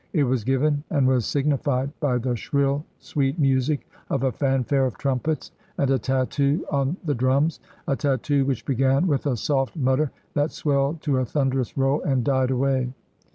It was given, and was signified by the shrill sweet music of a fanfare of trumpets and a tattoo on the drums — a tattoo which began with a soft mutter that swelled to a thunderous roll, and died away.